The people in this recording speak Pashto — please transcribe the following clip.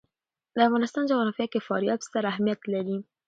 د افغانستان جغرافیه کې فاریاب ستر اهمیت لري.